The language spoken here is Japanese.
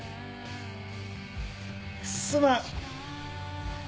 すまん。